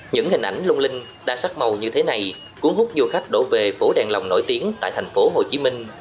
những hình ảnh lung linh đa sắc màu như thế này cuốn hút du khách đổ về phố đèn lồng nổi tiếng tại thành phố hồ chí minh